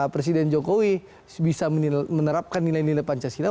presiden jokowi bisa menerapkan nilai nilai pancasila